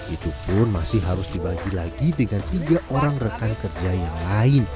itu pun masih harus dibagi lagi dengan tiga orang rekan kerja yang lain